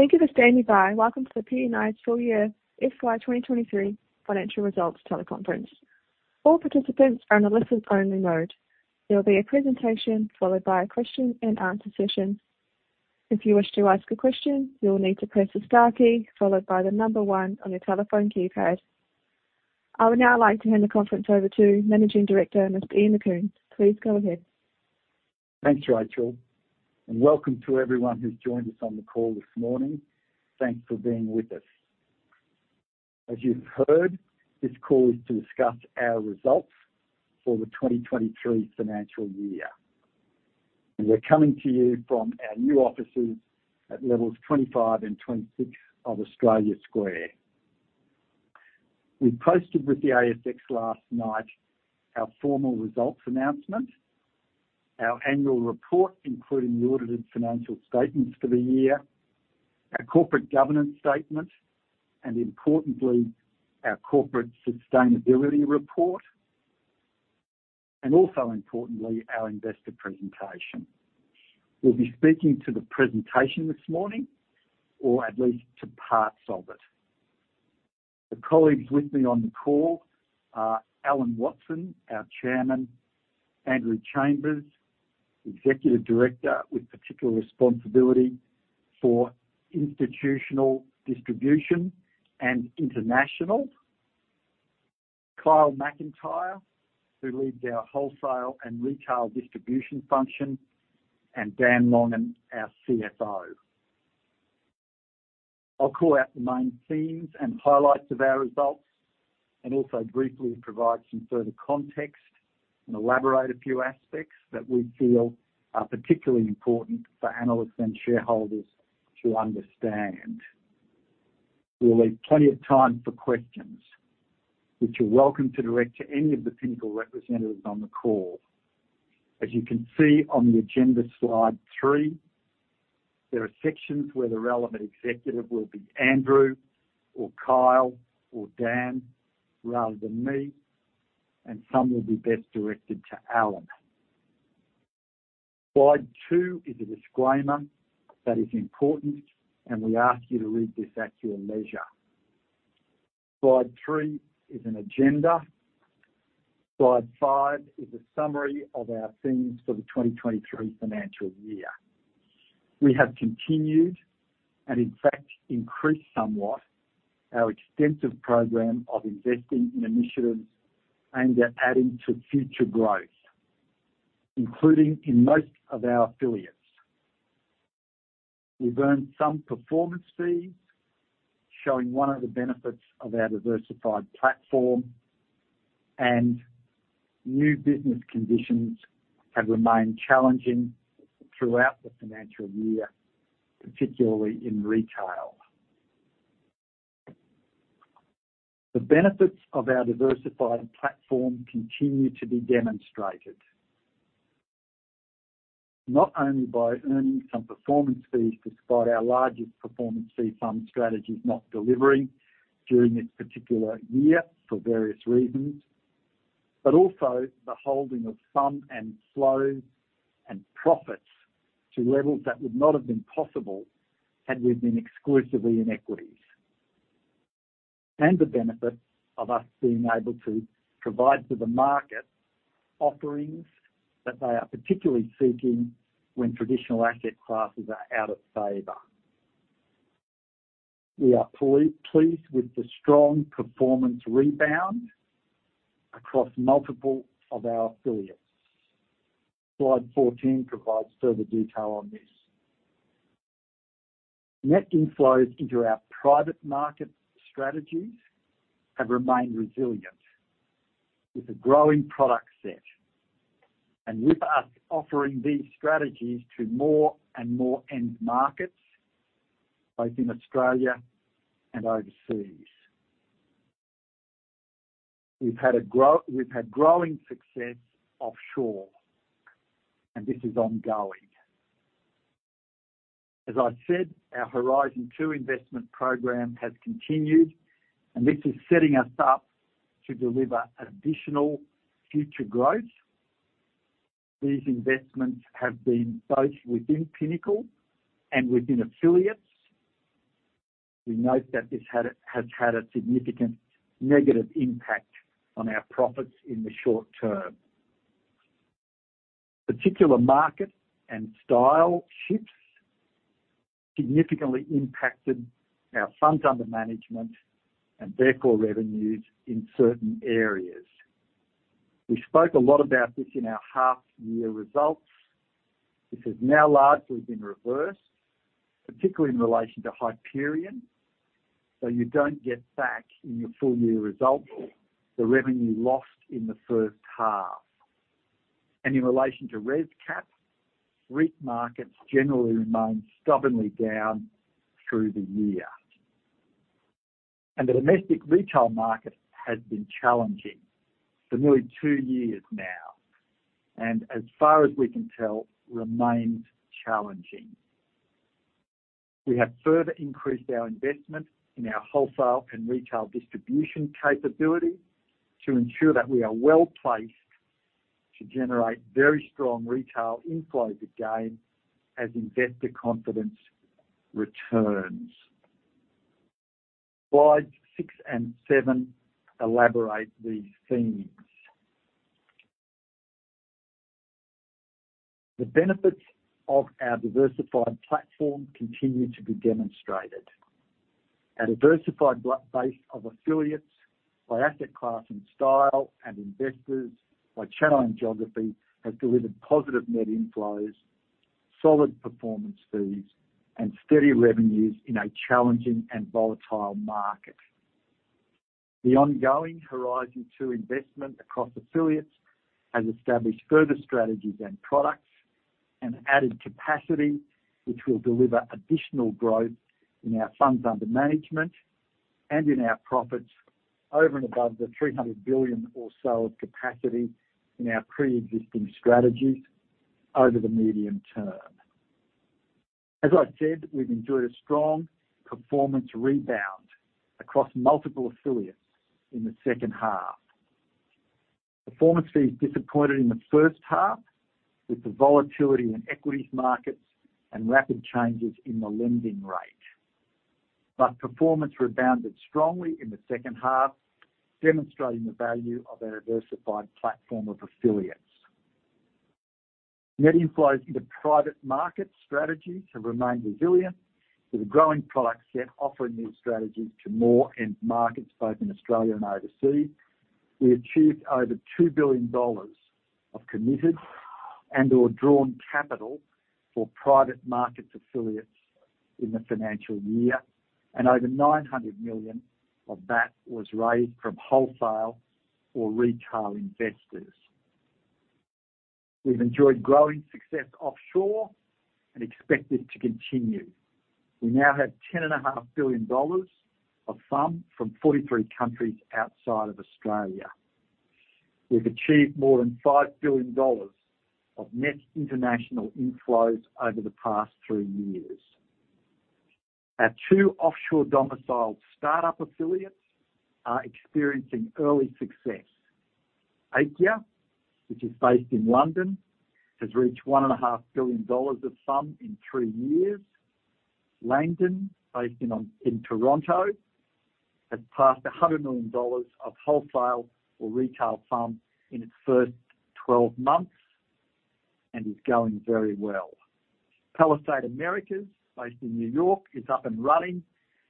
Thank you for standing by. Welcome to the PNI's Full Year FY 2023 Financial Results Teleconference. All participants are in a listen only mode. There will be a presentation followed by a question-and-answer session. If you wish to ask a question, you will need to press the star key followed by the number one on your telephone keypad. I would now like to hand the conference over to Managing Director, Mr. Ian Macoun. Please go ahead. Thanks, Rachel, and welcome to everyone who's joined us on the call this morning. Thanks for being with us. As you've heard, this call is to discuss our results for the 2023 financial year. We're coming to you from our new offices at levels 2025 and 2026 of Australia Square. We posted with the ASX last night our formal results announcement, our annual report, including the audited financial statements for the year, our corporate governance statement, and importantly, our corporate sustainability report, and also importantly, our investor presentation. We'll be speaking to the presentation this morning, or at least to parts of it. The colleagues with me on the call are Alan Watson, our Chairman, Andrew Chambers, Executive Director, with particular responsibility for institutional distribution and international. Kyle Macintyre, who leads our wholesale and retail distribution function, and Dan Longan, our CFO. I'll call out the main themes and highlights of our results, and also briefly provide some further context and elaborate a few aspects that we feel are particularly important for analysts and shareholders to understand. We'll leave plenty of time for questions, which you're welcome to direct to any of the Pinnacle representatives on the call. As you can see on the agenda, slide three, there are sections where the relevant executive will be Andrew or Kyle or Dan, rather than me, and some will be best directed to Alan. Slide two is a disclaimer that is important, and we ask you to read this at your leisure. Slide three is an agenda. Slide five is a summary of our themes for the 2023 financial year. We have continued, in fact increased somewhat, our extensive program of investing in initiatives aimed at adding to future growth, including in most of our affiliates. We've earned some performance fees, showing one of the benefits of our diversified platform. New business conditions have remained challenging throughout the financial year, particularly in retail. The benefits of our diversified platform continue to be demonstrated. Not only by earning some performance fees, despite our largest performance fee fund strategies not delivering during this particular year for various reasons, also the holding of some and flows and profits to levels that would not have been possible had we been exclusively in equities. The benefit of us being able to provide to the market offerings that they are particularly seeking when traditional asset classes are out of favor. We are pleased with the strong performance rebound across multiple of our affiliates. Slide 14 provides further detail on this. Net inflows into our private market strategies have remained resilient with a growing product set, with us offering these strategies to more and more end markets, both in Australia and overseas. We've had growing success offshore, this is ongoing. As I said, our Horizon 2 investment program has continued, this is setting us up to deliver additional future growth. These investments have been both within Pinnacle and within affiliates. We note that this has had a significant negative impact on our profits in the short term. Particular market and style shifts significantly impacted our funds under management and therefore revenues in certain areas. We spoke a lot about this in our half year results. This has now largely been reversed, particularly in relation to Hyperion, so you don't get back in your full year results, the revenue lost in the first half. In relation to ResCap, REIT markets generally remained stubbornly down through the year. The domestic retail market has been challenging for nearly two years now, and as far as we can tell, remains challenging. We have further increased our investment in our wholesale and retail distribution capability to ensure that we are well-placed to generate very strong retail inflows again as investor confidence returns. Slides six and seven elaborate these themes. The benefits of our diversified platform continue to be demonstrated. Our diversified base of affiliates by asset class and style, and investors by channel and geography, have delivered positive net inflows, solid performance fees, and steady revenues in a challenging and volatile market. The ongoing Horizon 2 investment across affiliates has established further strategies and products and added capacity, which will deliver additional growth in our funds under management and in our profits over and above the 300 billion or so of capacity in our pre-existing strategies over the medium term. As I said, we've enjoyed a strong performance rebound across multiple affiliates in the second half. Performance fees disappointed in the first half with the volatility in equities markets and rapid changes in the lending rate. Performance rebounded strongly in the second half, demonstrating the value of our diversified platform of affiliates. Net inflows into private markets strategies have remained resilient, with a growing product set offering these strategies to more end markets, both in Australia and overseas. We achieved over $2 billion of committed and or drawn capital for private markets affiliates in the financial year. Over $900 million of that was raised from wholesale or retail investors. We've enjoyed growing success offshore and expect it to continue. We now have $10.5 billion of FUM from 43 countries outside of Australia. We've achieved more than $5 billion of net international inflows over the past three years. Our two offshore domiciled start-up affiliates are experiencing early success. Aikya, which is based in London, has reached $1.5 billion of FUM in three years. Langdon, based in Toronto, has passed $100 million of wholesale or retail FUM in its first 12 months and is going very well. Palisade Americas, based in New York, is up and running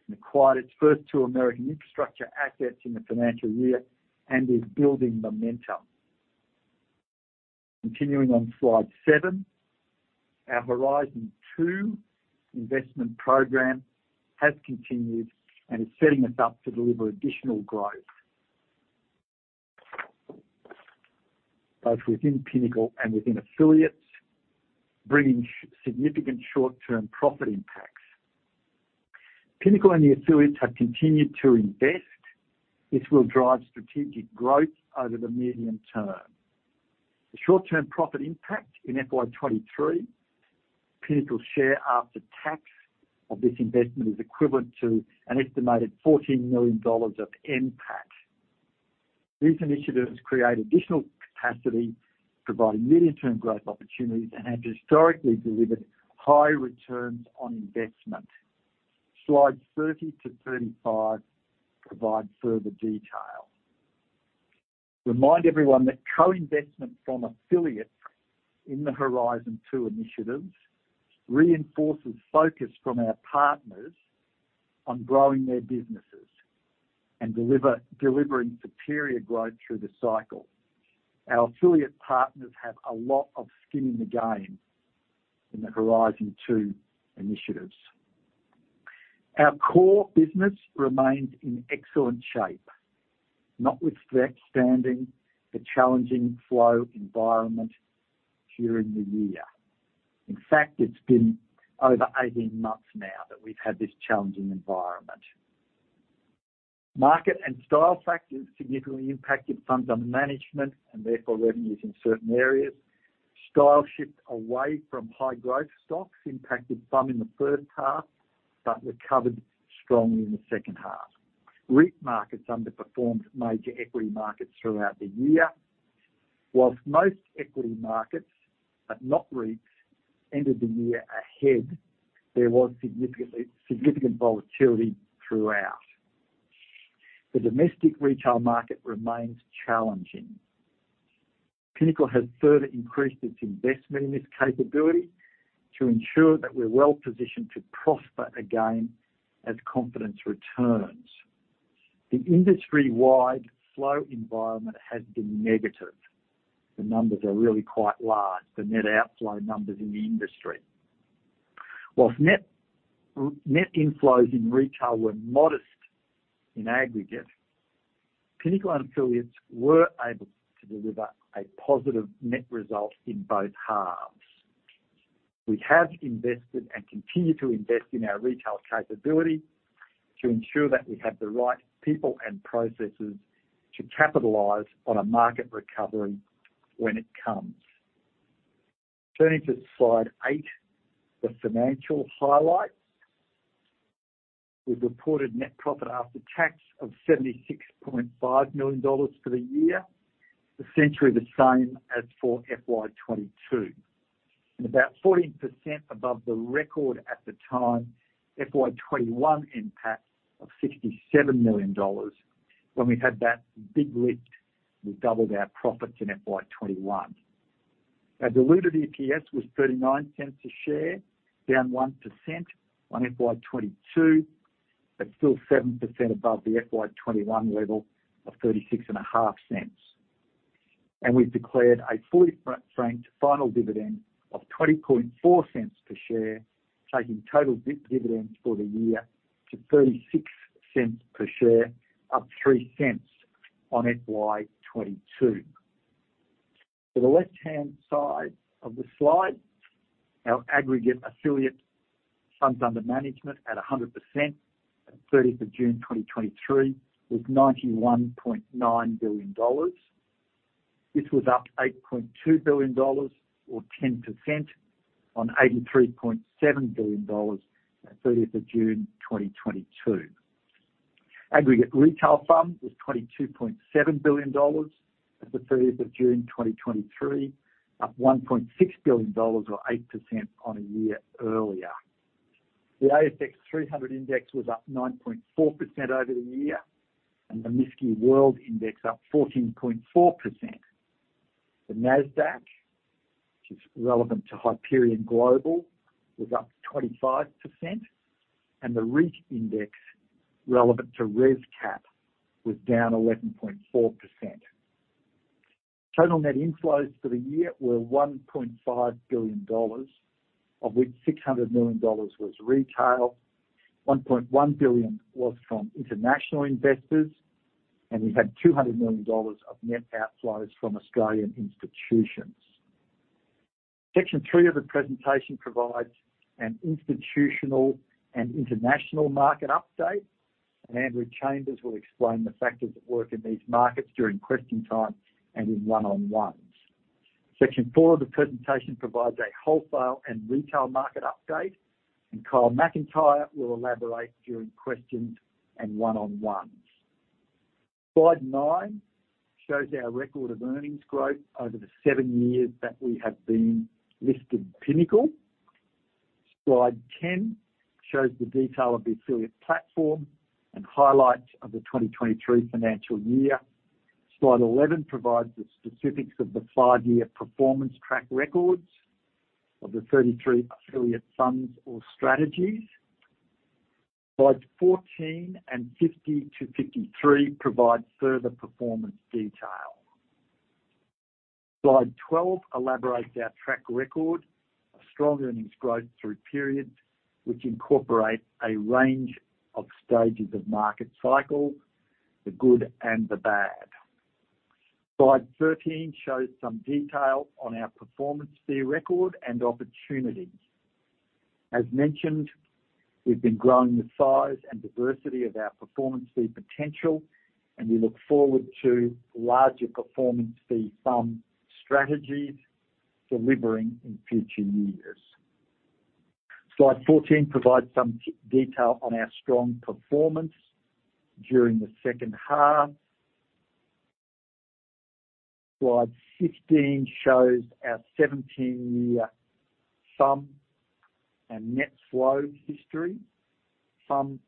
and acquired its first two American infrastructure assets in the financial year and is building momentum. Continuing on slide seven, our Horizon 2 investment program has continued and is setting us up to deliver additional growth, both within Pinnacle and within affiliates, bringing significant short-term profit impacts. Pinnacle and the affiliates have continued to invest. This will drive strategic growth over the medium term. The short-term profit impact in FY 2023, Pinnacle share after tax of this investment is equivalent to an estimated 14 million dollars of NPAT. These initiatives create additional capacity, providing medium-term growth opportunities, and have historically delivered high returns on investment. Slides 30 to 35 provide further detail. Remind everyone that co-investment from affiliates in the Horizon 2 initiatives reinforces focus from our partners on growing their businesses and delivering superior growth through the cycle. Our affiliate partners have a lot of skin in the game in the Horizon 2 initiatives. Our core business remains in excellent shape, notwithstanding the challenging flow environment during the year. In fact, it's been over 18 months now that we've had this challenging environment. Market and style factors significantly impacted funds under management and therefore revenues in certain areas. Style shift away from high growth stocks impacted FUM in the first half, recovered strongly in the second half. REIT markets underperformed major equity markets throughout the year. Whilst most equity markets, but not REITs, ended the year ahead, there was significant volatility throughout. The domestic retail market remains challenging. Pinnacle has further increased its investment in this capability to ensure that we're well-positioned to prosper again as confidence returns. The industry-wide flow environment has been negative. The numbers are really quite large, the net outflow numbers in the industry. Net inflows in retail were modest in aggregate, Pinnacle and affiliates were able to deliver a positive net result in both halves. We have invested and continue to invest in our retail capability to ensure that we have the right people and processes to capitalize on a market recovery when it comes. Turning to slide eight, the financial highlights. We've reported net profit after tax of 76.5 million dollars for the year, essentially the same as for FY 2022, and about 14% above the record at the time, FY 2021 NPAT of 67 million dollars. When we had that big lift, we doubled our profits in FY 2021. Our diluted EPS was 0.39 a share, down 1% on FY 2022, but still 7% above the FY 2021 level of 0.365. We've declared a fully frank final dividend of 0.204 per share, taking total dividends for the year to 0.36 per share, up 0.03 on FY 2022. To the left-hand side of the slide, our aggregate affiliate funds under management at 100% at 30th of June, 2023 was AUD 91.9 billion. This was up AUD 8.2 billion, or 10% on AUD 83.7 billion at 30th of June, 2022. Aggregate retail funds was AUD 22.7 billion at the 30th of June 2023, up AUD 1.6 billion or 8% on a year earlier. The ASX 300 Index was up 9.4% over the year, and the MSCI World Index up 14.4%. The Nasdaq, which is relevant to Hyperion Global, was up 25%, and the REIT index, relevant to ResCap, was down 11.4%. Total net inflows for the year were 1.5 billion dollars, of which 600 million dollars was retail, 1.1 billion was from international investors, and we had 200 million dollars of net outflows from Australian institutions. Section 3 of the presentation provides an institutional and international market update, and Andrew Chambers will explain the factors at work in these markets during question time and in one-on-ones. Section 4 of the presentation provides a wholesale and retail market update, and Kyle Macintyre will elaborate during questions and one-on-ones. Slide nine shows our record of earnings growth over the seven years that we have been listed Pinnacle. Slide 10 shows the detail of the affiliate platform and highlights of the 2023 financial year. Slide 11 provides the specifics of the five-year performance track records of the 33 affiliate funds or strategies. Slides 14 and 50-53 provide further performance detail. Slide 12 elaborates our track record of strong earnings growth through periods which incorporate a range of stages of market cycles, the good and the bad. Slide 13 shows some detail on our performance fee record and opportunities. As mentioned, we've been growing the size and diversity of our performance fee potential, and we look forward to larger performance fee fund strategies delivering in future years. Slide 14 provides some detail on our strong performance during the second half. Slide 15 shows our 17-year sum and net flow history. Sum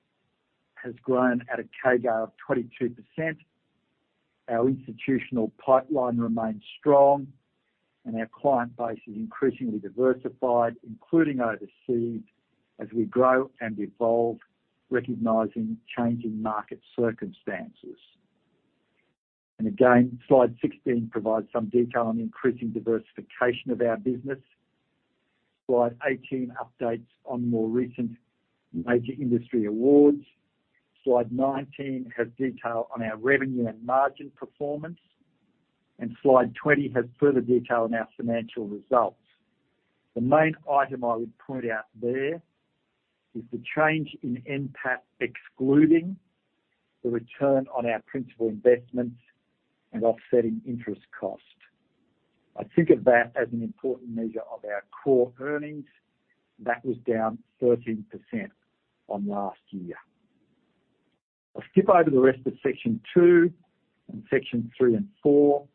has grown at a CAGR of 22%. Our institutional pipeline remains strong, and our client base is increasingly diversified, including overseas, as we grow and evolve, recognizing changing market circumstances. Again, slide 16 provides some detail on the increasing diversification of our business. Slide 18 updates on more recent major industry awards. Slide 19 has detail on our revenue and margin performance and slide 20 has further detail on our financial results. The main item I would point out there is the change in NPAT, excluding the return on our principal investments and offsetting interest costs. I think of that as an important measure of our core earnings. That was down 13% on last year. I'll skip over the rest of Section 2 and Section 3 and 4,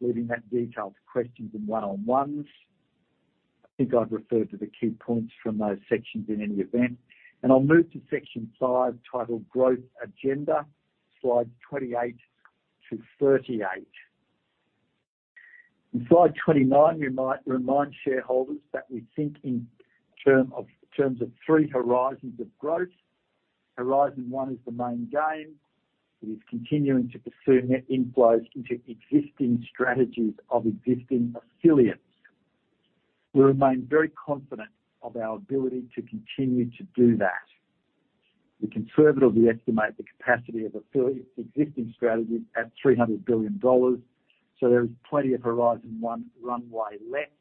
leaving that detail to questions and one-on-ones. I think I've referred to the key points from those sections in any event, and I'll move to Section 5, titled Growth Agenda, slide 28-38. In slide 29, we might remind shareholders that we think in terms of three horizons of growth. Horizon 1 is the main game. It is continuing to pursue net inflows into existing strategies of existing affiliates. We remain very confident of our ability to continue to do that. We conservatively estimate the capacity of affiliate's existing strategies at 300 billion dollars, so there is plenty of Horizon 1 runway left.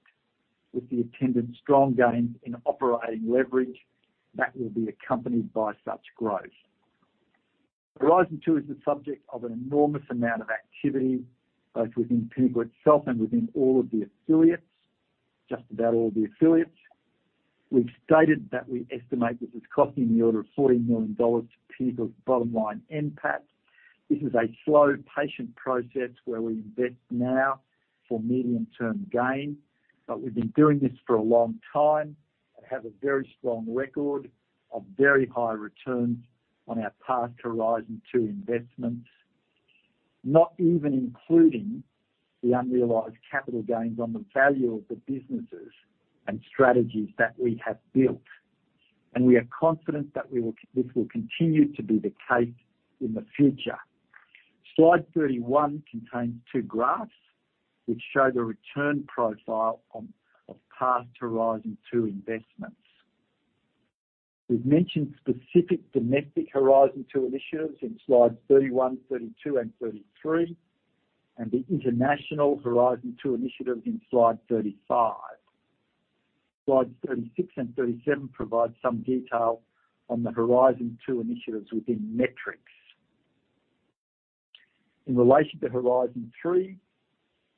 with the attendant strong gains in operating leverage that will be accompanied by such growth. Horizon 2 is the subject of an enormous amount of activity, both within Pinnacle itself and within all of the affiliates, just about all of the affiliates. We've stated that we estimate this is costing in the order of 40 million dollars to Pinnacle's bottom line NPAT. This is a slow, patient process where we invest now for medium-term gain, but we've been doing this for a long time and have a very strong record of very high returns on our past Horizon 2 investments, not even including the unrealized capital gains on the value of the businesses and strategies that we have built. We are confident that we will this will continue to be the case in the future. Slide 31 contains two graphs which show the return profile on, of past Horizon 2 investments. We've mentioned specific domestic Horizon 2 initiatives in slides 31, 32, and 33, and the international Horizon 2 initiatives in slide 35. Slides 36 and 37 provide some detail on the Horizon 2 initiatives within metrics. In relation to Horizon Three,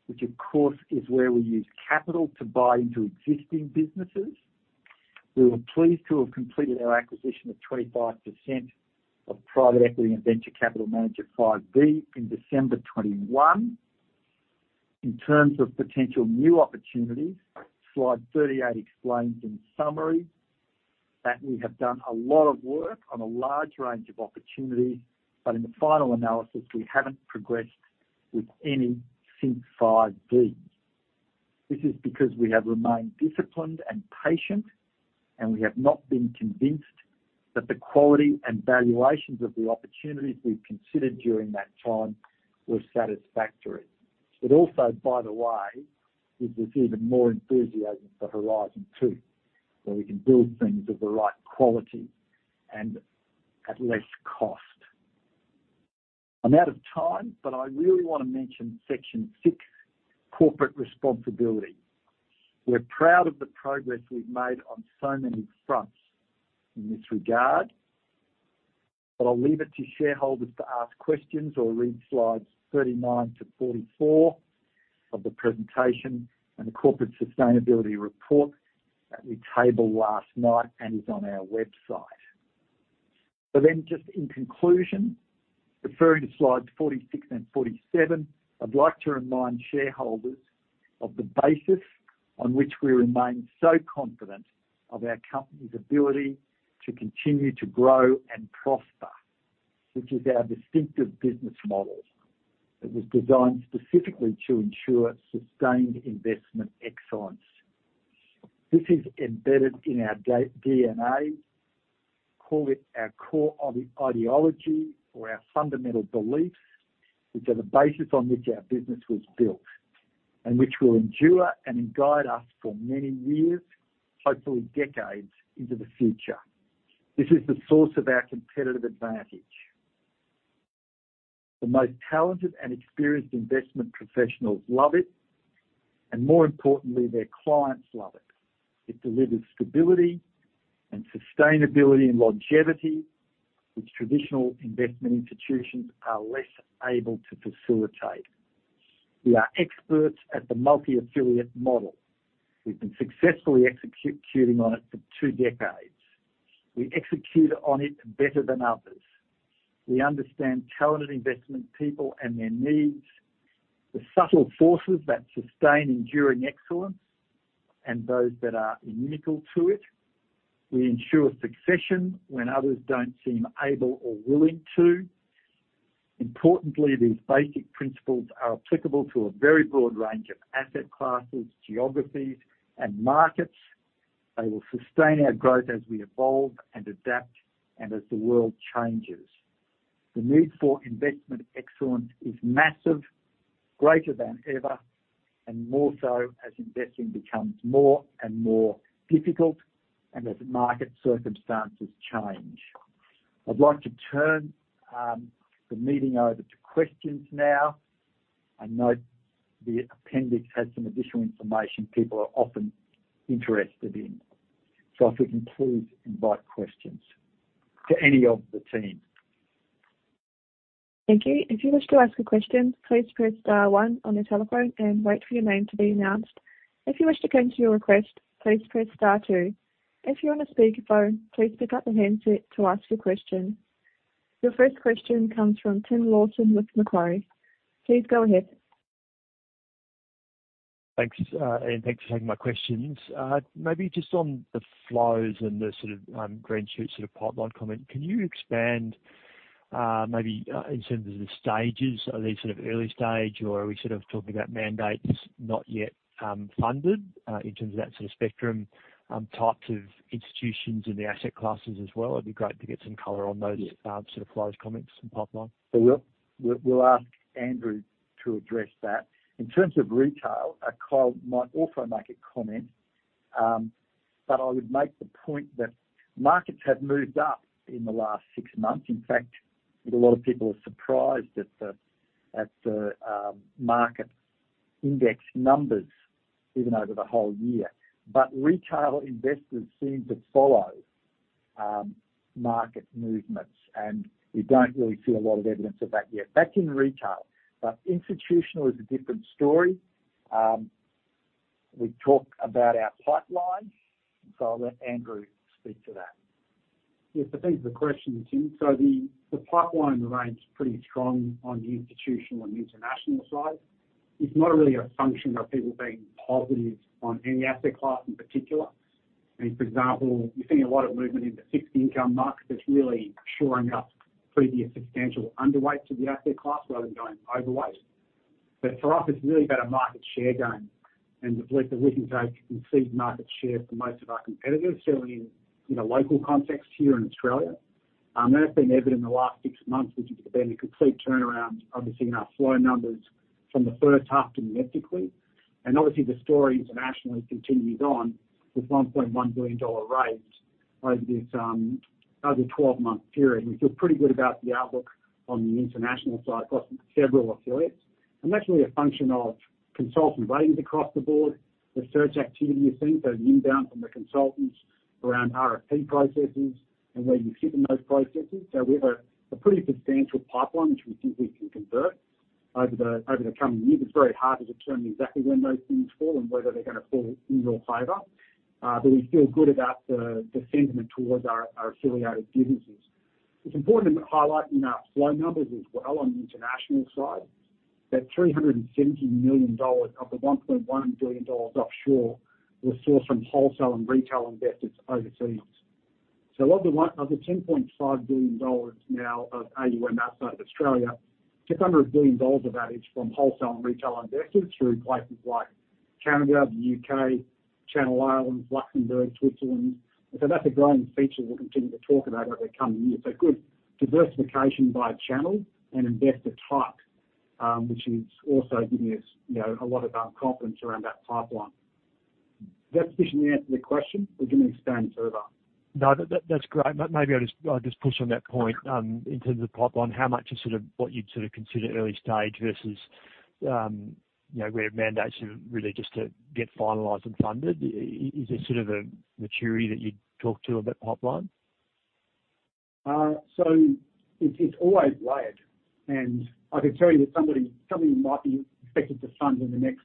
which of course, is where we use capital to buy into existing businesses, we were pleased to have completed our acquisition of 25% of private equity and venture capital manager Five V in December 2021. In terms of potential new opportunities, slide 38 explains in summary that we have done a lot of work on a large range of opportunities, but in the final analysis, we haven't progressed with any since Five V. This is because we have remained disciplined and patient, and we have not been convinced that the quality and valuations of the opportunities we've considered during that time were satisfactory. Also, by the way, gives us even more enthusiasm for Horizon 2, where we can build things of the right quality and at less cost. I'm out of time, I really want to mention Section 6: Corporate Responsibility. We're proud of the progress we've made on so many fronts in this regard, I'll leave it to shareholders to ask questions or read slides 39-44 of the presentation and the corporate sustainability report that we tabled last night and is on our website. Just in conclusion, referring to slides 46 and 47, I'd like to remind shareholders of the basis on which we remain so confident of our company's ability to continue to grow and prosper, which is our distinctive business model, that was designed specifically to ensure sustained investment excellence. This is embedded in our DNA, call it our core ideology or our fundamental beliefs, which are the basis on which our business was built, which will endure and guide us for many years, hopefully decades, into the future. This is the source of our competitive advantage. The most talented and experienced investment professionals love it, more importantly, their clients love it. It delivers stability and sustainability and longevity, which traditional investment institutions are less able to facilitate. We are experts at the multi-affiliate model. We've been successfully executing on it for two decades. We execute on it better than others. We understand talented investment people and their needs, the subtle forces that sustain enduring excellence and those that are inimical to it. We ensure succession when others don't seem able or willing to. Importantly, these basic principles are applicable to a very broad range of asset classes, geographies, and markets. They will sustain our growth as we evolve and adapt and as the world changes. The need for investment excellence is massive, greater than ever, and more so as investing becomes more and more difficult and as market circumstances change. I'd like to turn the meeting over to questions now, and note the appendix has some additional information people are often interested in. If we can please invite questions to any of the team. Thank you. If you wish to ask a question, please press star one on your telephone and wait for your name to be announced. If you wish to change your request, please press star two. If you're on a speakerphone, please pick up the handset to ask your question. Your first question comes from Tim Lawson with Macquarie. Please go ahead. Thanks. Thanks for taking my questions. Maybe just on the flows and the sort of, green shoots sort of pipeline comment, can you expand, maybe, in terms of the stages, are they sort of early stage, or are we sort of talking about mandates not yet, funded, in terms of that sort of spectrum, types of institutions and the asset classes as well? It'd be great to get some color on those sort of flows, comments, and pipeline. We'll ask Andrew to address that. In terms of retail, I might also make a comment. I would make the point that markets have moved up in the last six months. In fact, I think a lot of people are surprised at the, at the market index numbers, even over the whole year. Retail investors seem to follow market movements, and we don't really see a lot of evidence of that yet. That's in retail. Institutional is a different story. We talk about our pipeline, so I'll let Andrew speak to that. Yes, I think the question, Tim, so the, the pipeline remains pretty strong on the institutional and international side. It's not really a function of people being positive on any asset class in particular. I mean, for example, you're seeing a lot of movement in the fixed income market that's really shoring up previous substantial underweight to the asset class rather than going overweight. For us, it's really about a market share gain, and we believe that we can take and concede market share for most of our competitors, certainly in a local context here in Australia. That has been evident in the last six months, which has been a complete turnaround, obviously, in our flow numbers from the first half domestically. Obviously, the story internationally continues on with 1.1 billion dollar raise over this over 12-month period. We feel pretty good about the outlook on the international side, across several affiliates, and that's really a function of consultant ratings across the board. The search activity you've seen, so the inbound from the consultants around RFP processes and where you fit in those processes. We have a pretty substantial pipeline, which we think we can convert over the, over the coming years. It's very hard to determine exactly when those things fall and whether they're going to fall in your favor, but we feel good about the sentiment towards our, our affiliated businesses. It's important to highlight in our flow numbers as well on the international side, that 370 million dollars of the 1.1 billion dollars offshore was sourced from wholesale and retail investors overseas. Of the 10.5 billion dollars now of AUM outside of Australia, 600 billion dollars of that is from wholesale and retail investors through places like Canada, the U.K., Channel Islands, Luxembourg, Switzerland. That's a growing feature we'll continue to talk about over the coming years. Good diversification by channel and investor type, which is also giving us, you know, a lot of confidence around that pipeline. Does that sufficiently answer the question, or do you want me to expand further? No, that, that, that's great. Maybe I'll just, I'll just push on that point, in terms of the pipeline, how much is sort of what you'd sort of consider early stage versus, you know, where mandates are really just to get finalized and funded? Is there sort of a maturity that you'd talk to about the pipeline? It's, it's always weighed, and I can tell you that somebody, something that might be expected to fund in the next,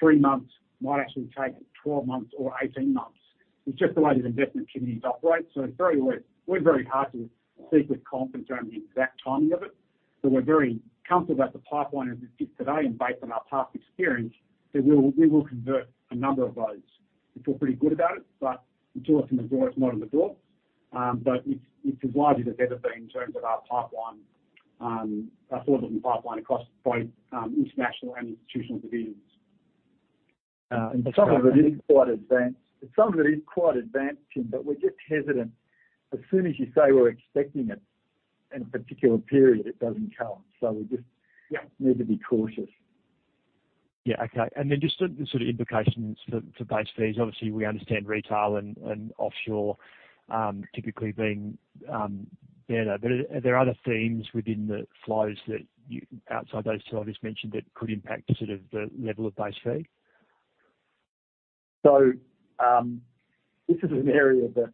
three months might actually take 12 months or 18 months. It's just the way the investment committees operate, so it's very weird. We're very hard to speak with confidence around the exact timing of it, but we're very comfortable about the pipeline as it sits today and based on our past experience, that we will, we will convert a number of those. We feel pretty good about it, but until it's in the door, it's not in the door. It's, it's as wide as it's ever been in terms of our pipeline, our affordable pipeline across both, international and institutional divisions. Some of it is quite advanced. Some of it is quite advanced, Tim, but we're just hesitant. As soon as you say we're expecting it in a particular period, it doesn't come. We just need to be cautious. Yeah, okay. Then just the sort of implications for, for base fees. Obviously, we understand retail and, and offshore, typically being better, but are there other themes within the flows that outside those two I just mentioned, that could impact sort of the level of base fee? This is an area that,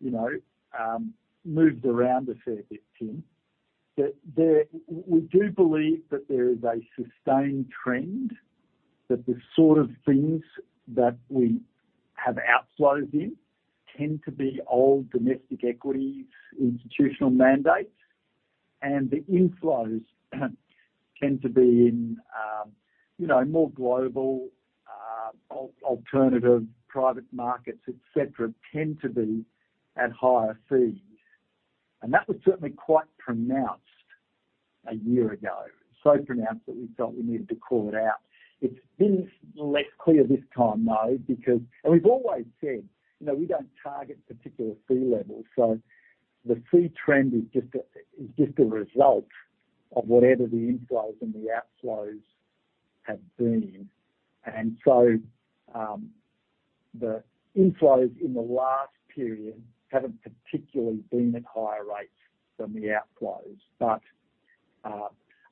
you know, moves around a fair bit, Tim. There... we do believe that there is a sustained trend, that the sort of things that we have outflows in tend to be old domestic equities, institutional mandates, The inflows tend to be in, you know, more global, alternative private markets, et cetera, tend to be at higher fees. That was certainly quite pronounced a year ago. Pronounced that we felt we needed to call it out. It's been less clear this time, though, because. We've always said, you know, we don't target particular fee levels, so the fee trend is just a, is just a result of whatever the inflows and the outflows have been. The inflows in the last period haven't particularly been at higher rates than the outflows,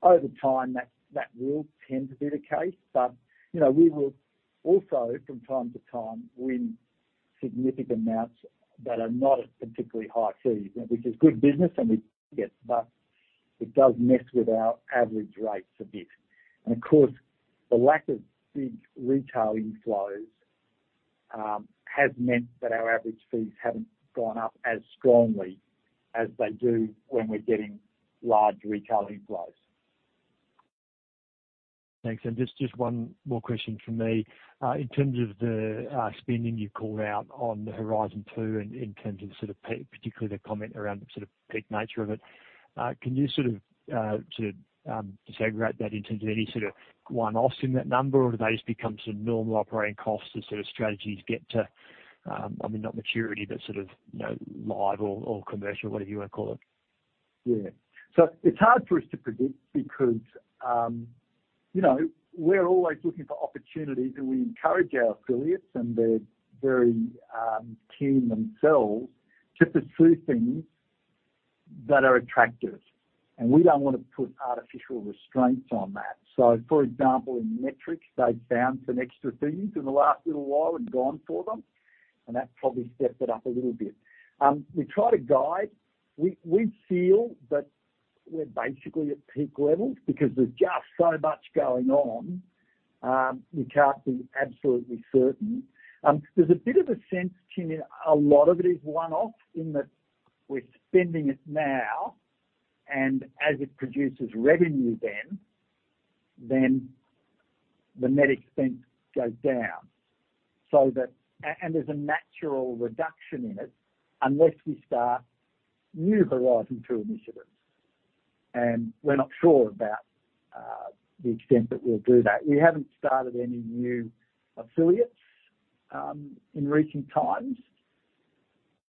over time, that, that will tend to be the case. You know, we will also, from time to time, win significant amounts that are not at particularly high fees, which is good business, and we get, it does mess with our average rates a bit. The lack of big retail inflows has meant that our average fees haven't gone up as strongly as they do when we're getting large retail inflows. Thanks. Just, just one more question from me. In terms of the spending you called out on the Horizon 2, and in terms of sort of particularly the comment around the sort of peak nature of it, can you sort of sort of disaggregate that in terms of any sort of one-offs in that number, or do they just become sort of normal operating costs as sort of strategies get to, I mean, not maturity, but sort of, you know, live or, or commercial, whatever you want to call it? Yeah. It's hard for us to predict because, you know, we're always looking for opportunities, and we encourage our affiliates, and they're very keen themselves to pursue things that are attractive. We don't want to put artificial restraints on that. For example, in Metrics, they found some extra fees in the last little while and gone for them, and that probably stepped it up a little bit. We try to guide. We, we feel that we're basically at peak levels because there's just so much going on, you can't be absolutely certain. There's a bit of a sense, Tim, a lot of it is one-off, in that we're spending it now, and as it produces revenue then, then the net expense goes down. There's a natural reduction in it unless we start new Horizon 2 initiatives. We're not sure about the extent that we'll do that. We haven't started any new affiliates in recent times.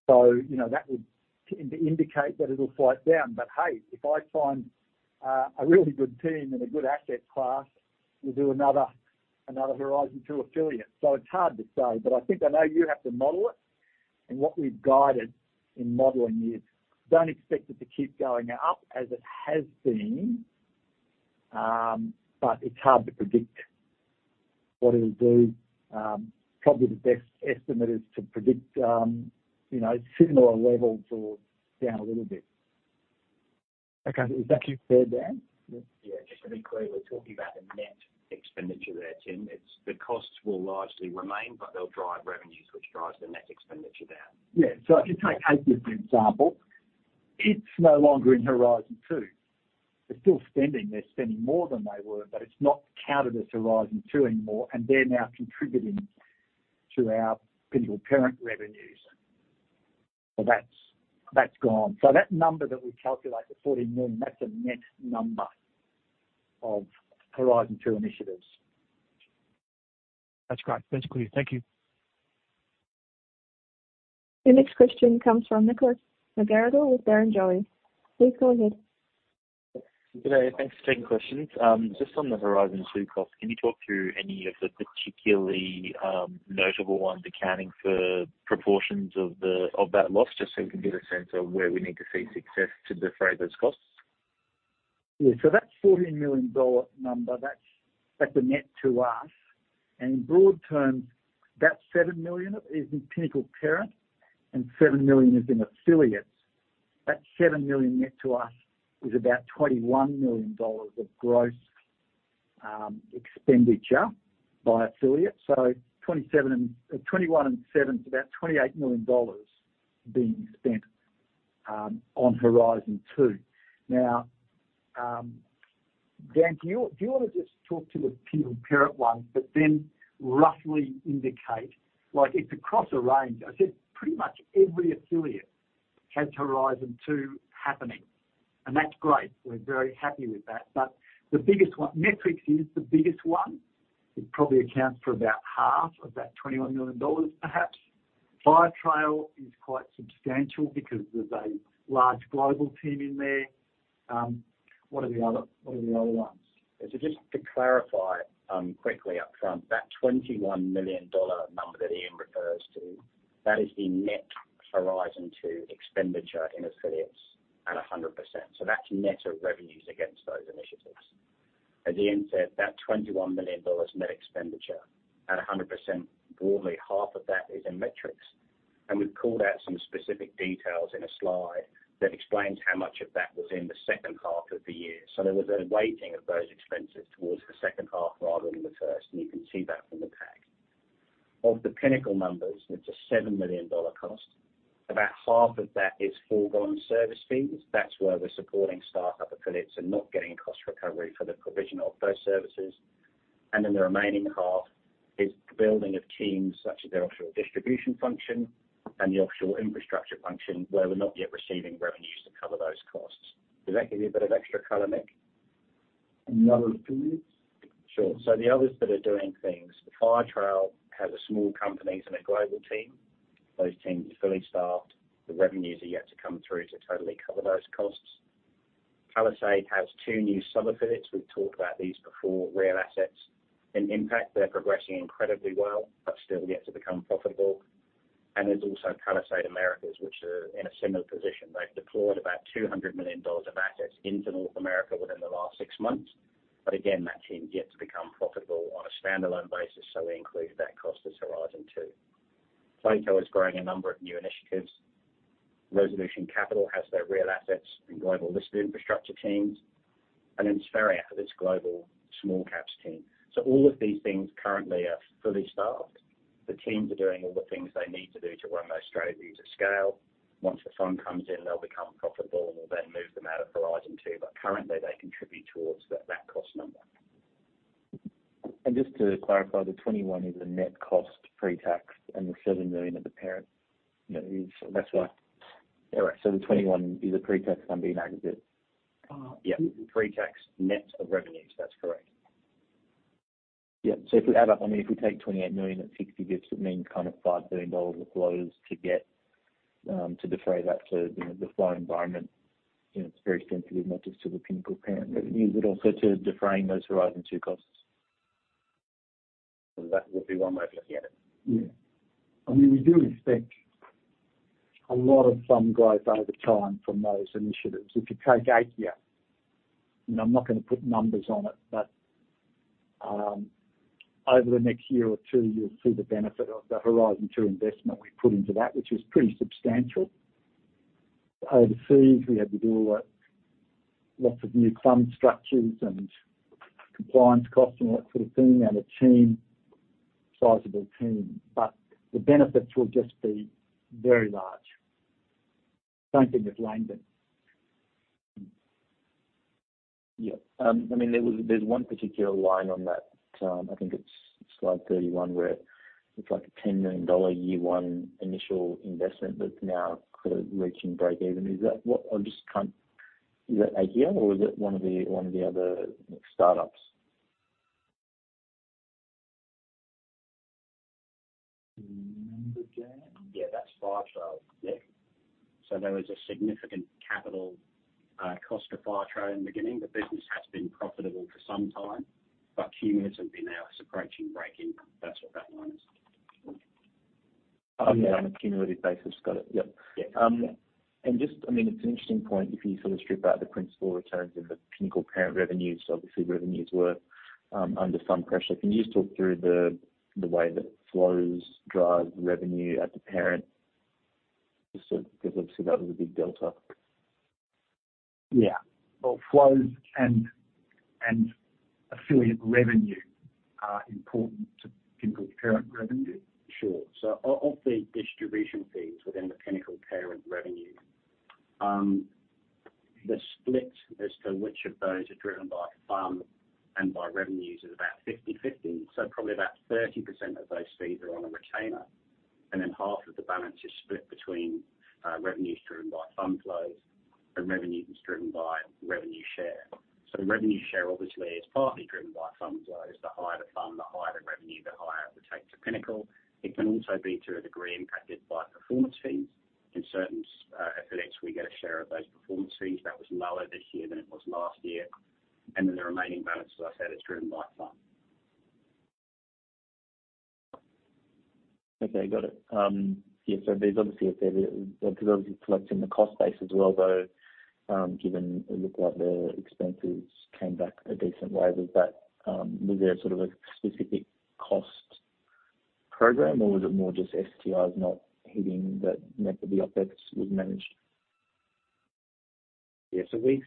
You know, that would tend to indicate that it'll slide down. Hey, if I find a really good team and a good asset class, we'll do another, another Horizon 2 affiliate. It's hard to say, but I think I know you have to model it, and what we've guided in modeling is don't expect it to keep going up as it has been, but it's hard to predict what it'll do. Probably the best estimate is to predict, you know, similar levels or down a little bit. Okay. Does that keep fair, Dan? Yeah, just to be clear, we're talking about the net expenditure there, Tim. It's the costs will largely remain, but they'll drive revenues, which drives the net expenditure down. Yeah. If you take Aikya, for example, it's no longer in Horizon 2. They're still spending, they're spending more than they were, but it's not counted as Horizon 2 anymore, and they're now contributing to our Pinnacle Parent revenues. That's, that's gone. That number that we calculate, the 14 million, that's a net number of Horizon 2 initiatives. That's great. That's clear. Thank you. Your next question comes from Nicholas McGarrigle with Barrenjoey. Please go ahead. Good day. Thanks for taking questions. Just on the Horizon 2 cost, can you talk through any of the particularly notable ones accounting for proportions of the, of that loss, just so we can get a sense of where we need to see success to defray those costs? Yeah. That's 14 million dollar number, that's, that's a net to us. In broad terms, that's 7 million is in Pinnacle Parent and 7 million is in affiliates. That 7 million net to us is about 21 million dollars of gross expenditure by affiliates. 21 million and 7 million, it's about 28 million dollars being spent on Horizon 2. Now, Dan, do you, do you want to just talk to the Pinnacle Parent one, but then roughly indicate, like it's across a range. I said pretty much every affiliate has Horizon 2 happening, and that's great. We're very happy with that. The biggest one, Metrics is the biggest one. It probably accounts for about 1/2 of that 21 million dollars, perhaps. Firetrail is quite substantial because there's a large global team in there. What are the other, what are the other ones? Just to clarify, quickly upfront, that 21 million dollar number that Ian refers to, that is the net Horizon 2 expenditure in affiliates at 100%. That's net of revenues against those initiatives. As Ian said, that 21 million dollars net expenditure at 100%, broadly, half of that is in Metrics. We've called out some specific details in a slide that explains how much of that was in the second half of the year. There was a weighting of those expenses towards the second half rather than the first, and you can see that from the pack. Of the Pinnacle numbers, it's a 7 million dollar cost. About half of that is foregone service fees. That's where we're supporting start-up affiliates and not getting cost recovery for the provision of those services. Then the remaining half is the building of teams, such as their offshore distribution function and the offshore infrastructure function, where we're not yet receiving revenues to cover those costs. Does that give you a bit of extra color, Nick? The other affiliates? Sure. The others that are doing things, Firetrail has a small companies and a global team. Those teams are fully staffed. The revenues are yet to come through to totally cover those costs. Palisade has two new sub-affiliates. We've talked about these before, Real Assets. In Impact, they're progressing incredibly well, but still yet to become profitable. There's also Palisade Americas, which are in a similar position. They've deployed about $200 million of assets into North America within the last six months. Again, that team is yet to become profitable on a standalone basis, so we include that cost as Horizon 2. Plato is growing a number of new initiatives. Resolution Capital has their real assets and global listed infrastructure teams, and then Spheria has its global small caps team. All of these things currently are fully staffed. The teams are doing all the things they need to do to run those strategies at scale. Once the fund comes in, they'll become profitable, and we'll then move them out of Horizon 2, but currently, they contribute towards that, that cost number. Just to clarify, the 21 million is a net cost pre-tax, and the 7 million at the parent, you know, is. That's why. All right, the 21 million is a pre-tax number, you mentioned? Yeah, pre-tax net of revenues. That's correct. Yeah, so if we add up, I mean, if we take 28 million at 60 bits, it means kind of 5 billion dollars of flows to get to defray that to, you know, the flow environment. You know, it's very sensitive, not just to the Pinnacle Parent, but use it also to defray those Horizon 2 costs. That would be one way of looking at it. Yeah. I mean, we do expect a lot of fun growth over time from those initiatives. If you take Aikya, and I'm not going to put numbers on it, but over the next year or two, you'll see the benefit of the Horizon 2 investment we put into that, which is pretty substantial. Overseas, we had to do, like, lots of new fund structures and compliance costs and that sort of thing, and a team, sizable team, but the benefits will just be very large. Same thing with Langdon. Yeah, I mean, there's one particular line on that, I think it's slide 31, where it's like an 10 million dollar-year one initial investment that's now kind of reaching break-even. Is that what... I'm just trying, is that Aikya or is it one of the, one of the other startups? Yeah, that's Firetrail. Yeah. There was a significant capital cost to Firetrail in the beginning. The business has been profitable for some time, cumulus have been now it's approaching break-even. That's what that one is. On a cumulative basis. Got it. Yep. Yeah. Just, it's an interesting point, if you sort of strip out the principal returns and the Pinnacle Parent revenues, so obviously, revenues were under some pressure. Can you just talk through the, the way that flows drive revenue at the parent? Because obviously, that was a big delta. Yeah. Well, flows and, and affiliate revenue are important to Pinnacle Parent revenue. Sure. Of the distribution fees within the Pinnacle parent revenue, the split as to which of those are driven by FUM and by revenues is about 50/50. Probably about 30% of those fees are on a retainer, and then half of the balance is split between revenues driven by fund flows and revenues driven by revenue share. Revenue share obviously is partly driven by fund flows. The higher the fund, the higher the revenue, the higher the take to Pinnacle. It can also be, to a degree, impacted by performance fees. In certain affiliates, we get a share of those performance fees. That was lower this year than it was last year. Then the remaining balance, as I said, is driven by FUM. Okay, got it. Yeah, there's obviously a fair bit, because obviously reflecting the cost base as well, though, given it looked like the expenses came back a decent way, was that, was there sort of a specific cost program, or was it more just STIs not hitting the method the OpEx was managed? Yeah. We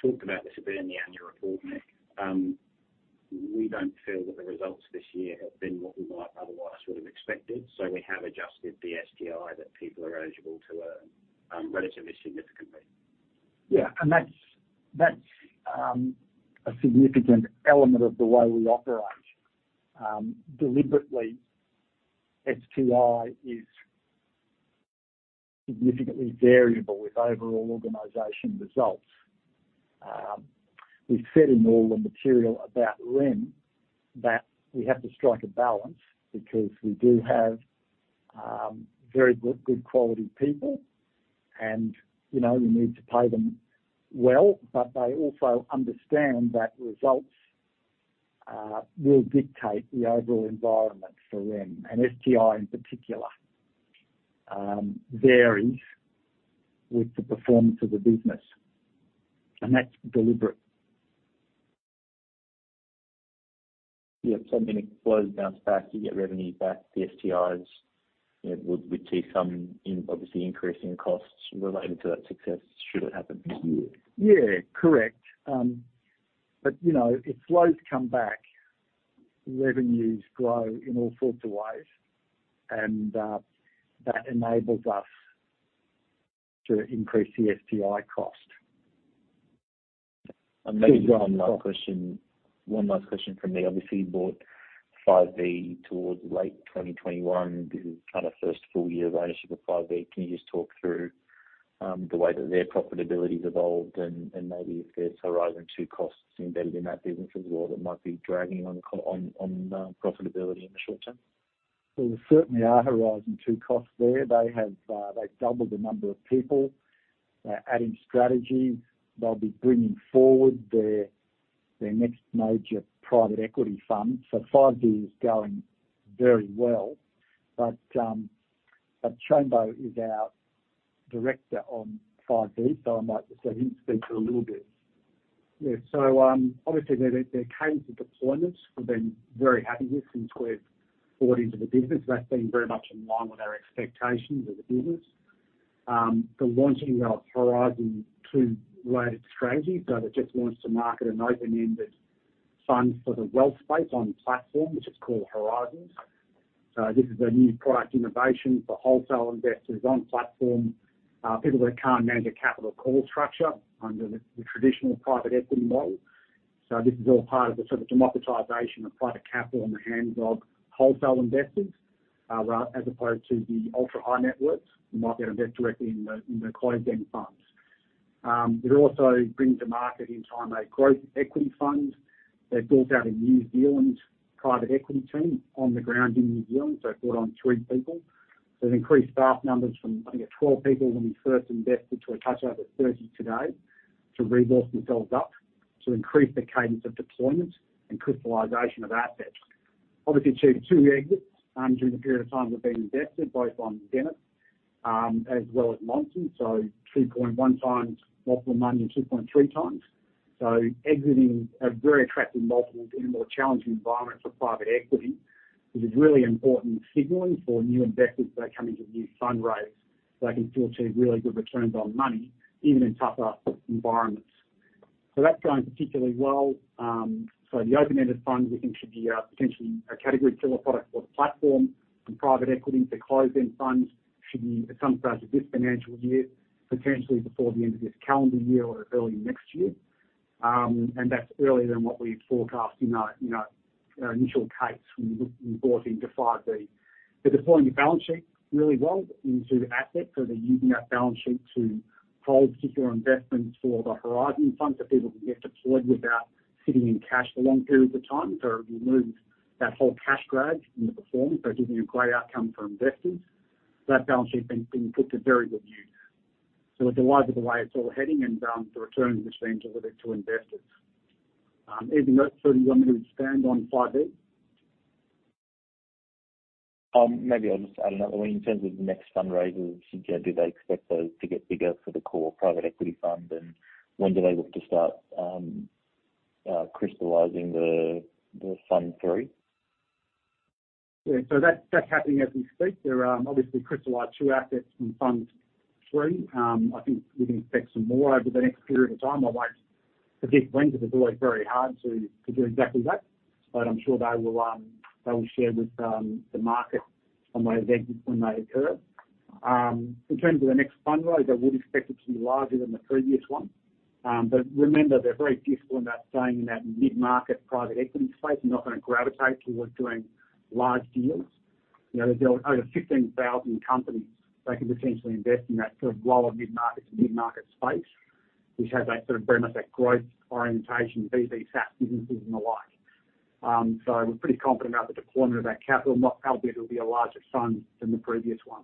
talked about this a bit in the annual report, Nick. We don't feel that the results this year have been what we might otherwise would have expected, so we have adjusted the STI that people are eligible to earn, relatively significantly. Yeah, and that's, that's a significant element of the way we operate. Deliberately, STI is significantly variable with overall organization results. We said in all the material about RIM, that we have to strike a balance because we do have very good, good quality people, and, you know, we need to pay them well, but they also understand that results will dictate the overall environment for them. STI, in particular, varies with the performance of the business, and that's deliberate. Yeah, I mean, it flows bounce back, you get revenue back, the STIs, you know, would, we see some in obviously increasing costs related to that success should it happen this year? Yeah, correct. You know, if flows come back, revenues grow in all sorts of ways, and that enables us to increase the STI cost. Maybe one last question, one last question from me. Obviously, you bought Five V towards late 2021. This is kind of first full year of ownership of Five V. Can you just talk through the way that their profitability has evolved and, and maybe if there's Horizon 2 costs embedded in that business as well, that might be dragging on profitability in the short term? There certainly are Horizon 2 costs there. They have, they've doubled the number of people. They're adding strategy. They'll be bringing forward their, their next major private equity fund. Five V is going very well, but Chambo is our Director on Five V, so I might just let him speak to a little bit. Yeah. So, obviously, the, the case of deployments, we've been very happy with since we've bought into the business. That's been very much in line with our expectations of the business. The launching of Horizon 2-related strategy, that just wants to market an open-ended fund for the wealth space on platform, which is called Horizons. This is a new product innovation for wholesale investors on platform, people that can't manage a capital call structure under the, the traditional private equity model. This is all part of the sort of democratization of private capital in the hands of wholesale investors, rather, as opposed to the ultra high net worth who might be able to invest directly in the, in the client-driven funds. They've also bring to market in time, a growth equity fund. They've built out a New Zealand private equity team on the ground in New Zealand, so brought on three people. They've increased staff numbers from, I think, at 12 people when we first invested, to a touch over 30 today, to resource themselves up, to increase the cadence of deployment and crystallization of assets. Obviously, achieved two exits during the period of time they've been invested, both on [Dennett] as well as Monson. 2.1x multiple money and 2.3x. Exiting at very attractive multiples in a more challenging environment for private equity, which is really important signaling for new investors that are coming to the new fundraise, so they can still achieve really good returns on money, even in tougher environments. That's going particularly well. So the open-ended fund, we think, should be potentially a category killer product for the platform. Private equity, the closed-end funds should be at some stage of this financial year, potentially before the end of this calendar year or early next year. That's earlier than what we had forecast in our, you know, our initial case when we, we bought into Five V. They're deploying the balance sheet really well into assets, so they're using that balance sheet to hold particular investments for the horizon fund, so people can get deployed without sitting in cash for long periods of time. It removes that whole cash drag in the performance, so giving a great outcome for investors. That balance sheet being, being put to very good use. We're delighted with the way it's all heading and, the returns which seem to deliver to investors. Nick, do you want me to expand on Five V? Maybe I'll just add another one. In terms of the next fundraisers, do they expect those to get bigger for the core private equity fund? And when do they look to start crystallizing the, the Fund III? Yeah. That's happening as we speak. There are obviously crystallized two assets from Fund III. I think we can expect some more over the next period of time. I won't predict when, because it's always very hard to, to do exactly that, but I'm sure they will share with the market some way of exit when they occur. In terms of the next fundraise, I would expect it to be larger than the previous one. Remember, they're very disciplined about staying in that mid-market private equity space. They're not going to gravitate towards doing large deals. You know, there's over 15,000 companies they could potentially invest in that sort of lower mid-market to mid-market space, which has that sort of very much that growth orientation, BB SaaS businesses and the like. We're pretty confident about the deployment of that capital, albeit it'll be a larger fund than the previous one.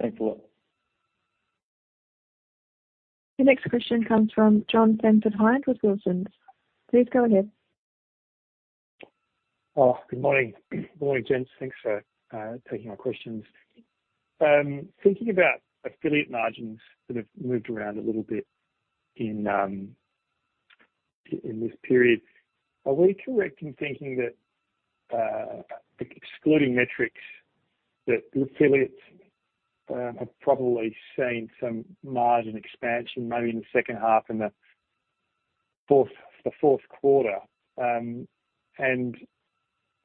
Thanks a lot. The next question comes from John [Fentein Heid] with [Wilsons]. Please go ahead. Good morning. Good morning, gents. Thanks for taking my questions. Thinking about affiliate margins that have moved around a little bit in this period, are we correct in thinking that, excluding metrics, that the affiliates have probably seen some margin expansion, maybe in the second half and the fourth quarter?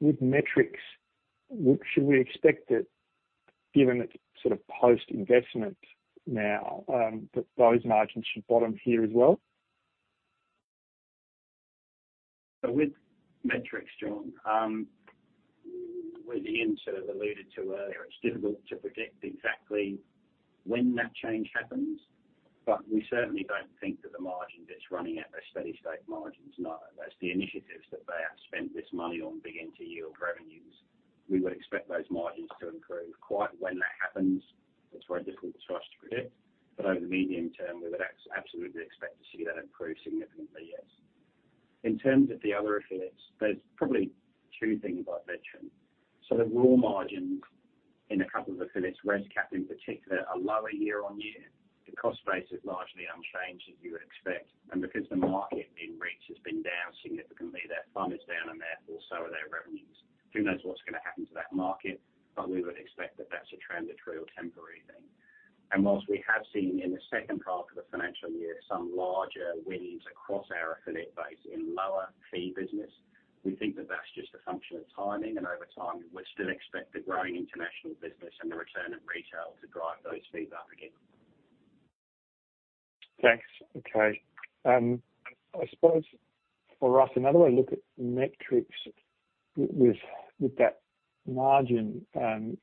With metrics, what should we expect it, given it's sort of post-investment now, that those margins should bottom here as well? With metrics, John, with Ian sort of alluded to earlier, it's difficult to predict exactly when that change happens, but we certainly don't think that the margin that's running at a steady state margin, is not. As the initiatives that they have spent this money on begin to yield revenues, we would expect those margins to improve. Quite when that happens, it's very difficult for us to predict, but over the medium term, we would ex-absolutely expect to see that improve significantly, yes. In terms of the other affiliates, there's probably two things I'd mention. The raw margins in a couple of affiliates, ResCap in particular, are lower year on year. The cost base is largely unchanged, as you would expect. Because the market being reached has been down significantly, their fund is down and therefore, so are their revenues. Who knows what's going to happen to that market, but we would expect that that's a transitory or temporary thing. Whilst we have seen in the second half of the financial year, some larger wins across our affiliate base in lower fee business, we think that that's just a function of timing, and over time, we still expect the growing international business and the return of retail to drive those fees up again. Thanks. Okay. I suppose for us, another way to look at metrics with, with that margin,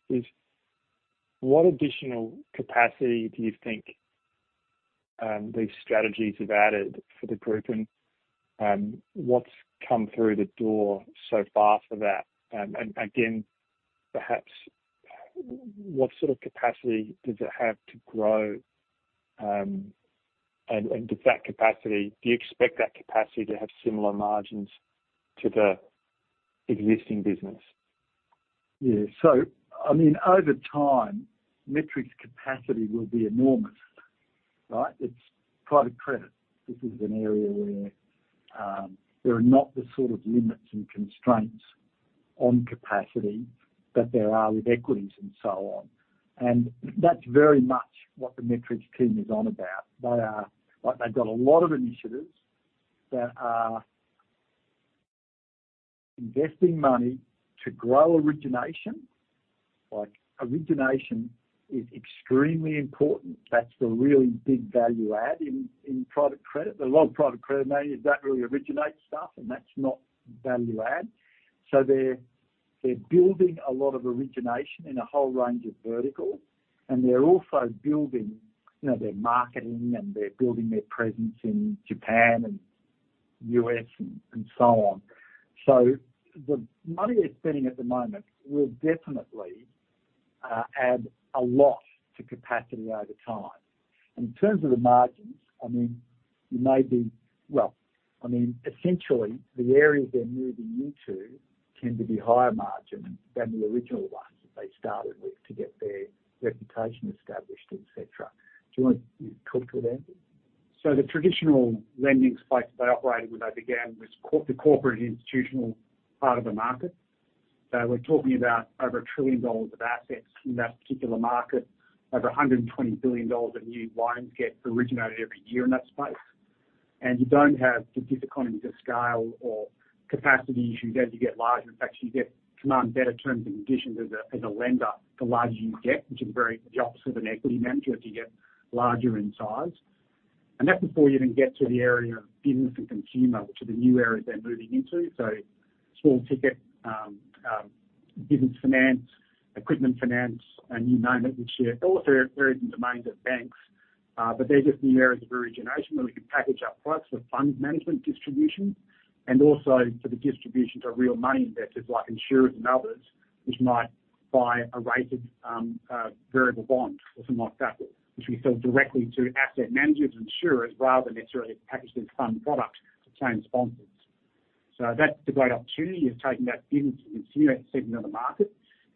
is what additional capacity do you think, these strategies have added for the group? What's come through the door so far for that? Again perhaps, what sort of capacity does it have to grow, do you expect that capacity to have similar margins to the existing business? Yeah. I mean, over time, metrics capacity will be enormous, right? It's private credit. This is an area where there are not the sort of limits and constraints on capacity that there are with equities and so on. That's very much what the metrics team is on about. Like, they've got a lot of initiatives that are investing money to grow origination. Like, origination is extremely important. That's the really big value add in, in private credit. There are a lot of private credit managers that really originate stuff, and that's not value add. They're building a lot of origination in a whole range of verticals, and they're also building, you know, their marketing, and they're building their presence in Japan and U.S. and, and so on. The money they're spending at the moment will definitely add a lot to capacity over time. In terms of the margins, I mean, you may be-- well, I mean, essentially, the areas they're moving into tend to be higher margin than the original ones that they started with to get their reputation established, et cetera. Do you want to talk to that? The traditional lending space they operated when they began was the corporate institutional part of the market. We're talking about over 1 trillion dollars of assets in that particular market. Over 120 billion dollars of new loans get originated every year in that space. You don't have the economies of scale or capacity issues as you get larger. In fact, you command better terms and conditions as a lender, the larger you get, which is very the opposite of an equity manager as you get larger in size. That's before you even get to the area of business and consumer, which are the new areas they're moving into. Small ticket business finance, equipment finance, and you name it, we share. All of them are areas and domains of banks, but they're just new areas of origination where we can package up products for fund management distribution and also for the distribution to real money investors like insurers and others, which might buy a rated, variable bond or something like that, which we sell directly to asset managers and insurers, rather than necessarily package this fund product to chain sponsors. That's a great opportunity, is taking that business and consumer segment of the market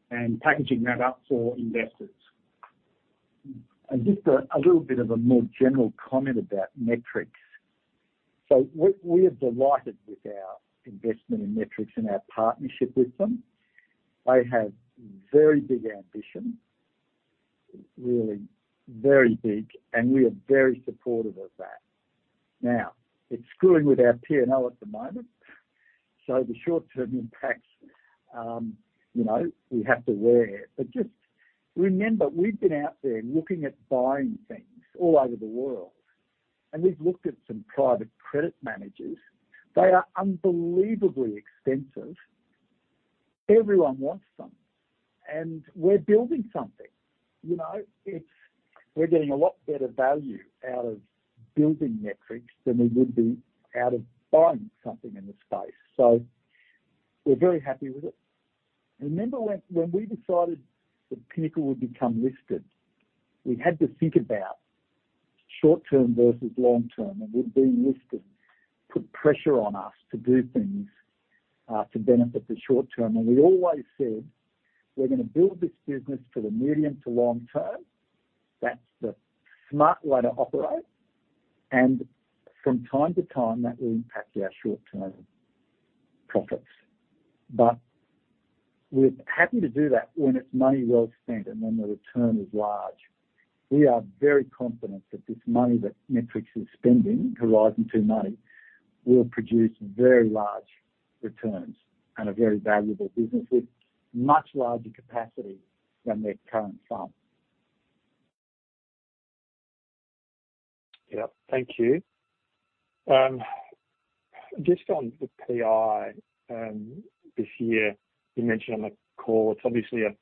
and packaging that up for investors. Just a, a little bit of a more general comment about Metrics. We, we are delighted with our investment in Metrics and our partnership with them. They have very big ambition, really very big, and we are very supportive of that. It's screwing with our P&L at the moment, so the short-term impacts, you know, we have to wear it. Just remember, we've been out there looking at buying things all over the world, and we've looked at some private credit managers. They are unbelievably expensive. Everyone wants some, and we're building something, you know? It's, we're getting a lot better value out of building Metrics than we would be out of buying something in the space, we're very happy with it. Remember when, when we decided that Pinnacle would become listed, we had to think about short term versus long term, and with being listed, put pressure on us to do things to benefit the short term. We always said, "We're going to build this business for the medium to long term. That's the smart way to operate, and from time to time, that will impact our short-term profits." We're happy to do that when it's money well spent and when the return is large. We are very confident that this money that Metrics is spending, Horizon 2 money, will produce very large returns and a very valuable business with much larger capacity than their current sum. Yeah. Thank you. Just on the PI, this year, you mentioned on the call, it's obviously a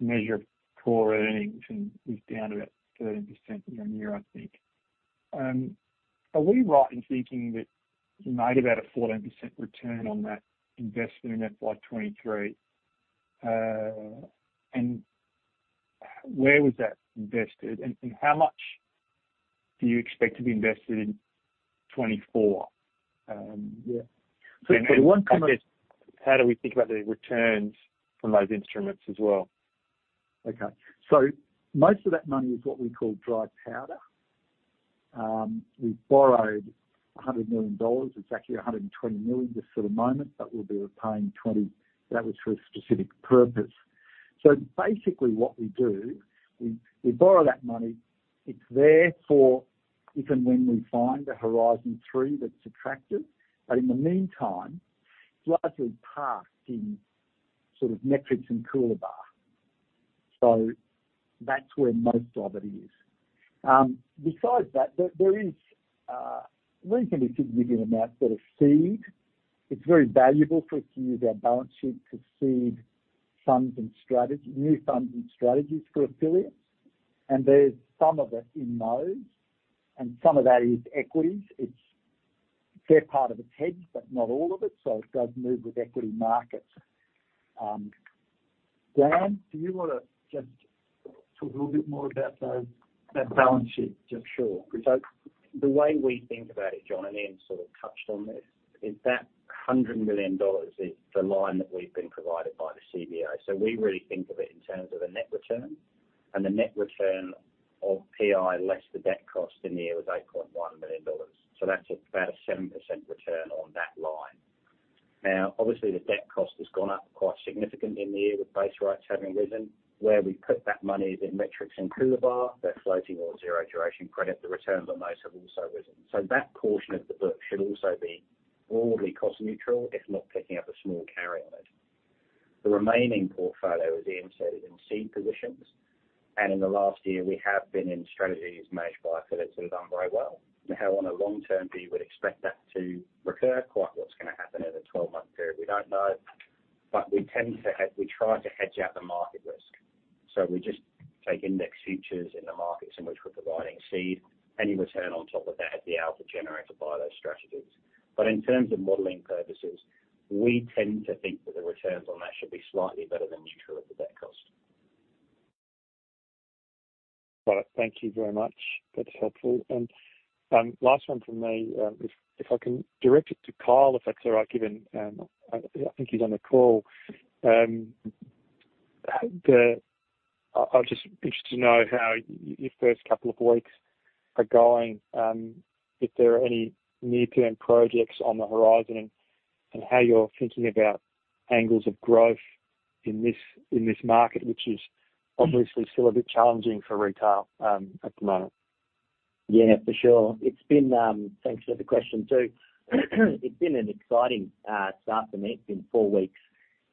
measure of core earnings, and it's down about 13% year-on-year, I think. Are we right in thinking that you made about a 14% return on that investment in FY 2023? Where was that invested, and how much do you expect to be invested in 2024? Yeah. One comment- How do we think about the returns from those instruments as well? Okay. Most of that money is what we call dry powder. We borrowed 100 million dollars. It's actually 120 million just for the moment, but we'll be repaying 20 million. That was for a specific purpose. Basically, what we do is, we borrow that money. It's there for if and when we find a Horizon 3 that's attractive. In the meantime, it's largely parked in sort of Metrics and Coolabah. That's where most of it is. Besides that, there, there is a reasonably significant amount that are seed. It's very valuable for us to use our balance sheet to seed funds and strategy, new funds and strategies for affiliates. There's some of it in those, and some of that is equities. It's. Fair part of it's hedged, but not all of it, so it does move with equity markets. Dan, do you want to just talk a little bit more about those, that balance sheet? Sure. The way we think about it, John, and Ian sort of touched on this, is that 100 million dollars is the line that we've been provided by the CBA. We really think of it in terms of a net return, the net return of PI, less the debt cost in the year, was 8.1 million dollars. That's about a 7% return on that line. Now, obviously, the debt cost has gone up quite significantly in the year, with base rates having risen. Where we put that money is in Metrics and Coolabah. They're floating or zero duration credit. The returns on those have also risen. That portion of the book should also be broadly cost neutral, if not picking up a small carry on it. The remaining portfolio, as Ian said, is in seed positions. In the last year, we have been in strategies managed by affiliates that have done very well. On a long-term view, we'd expect that to recur. Quite what's going to happen in a 12-month period, we don't know. We tend to hedge, we try to hedge out the market risk. We just take index futures in the markets in which we're providing seed. Any return on top of that is the alpha generated by those strategies. In terms of modeling purposes, we tend to think that the returns on that should be slightly better than neutral at the debt cost. Right. Thank you very much. That's helpful. Last one from me, if, if I can direct it to Kyle, if that's all right, given, I, I think he's on the call. I'm just interested to know how your first couple of weeks are going, if there are any near-term projects on the horizon, and how you're thinking about angles of growth in this, in this market, which is obviously still a bit challenging for retail, at the moment. Yeah, for sure. Thanks for the question, too. It's been an exciting start for me. It's been four weeks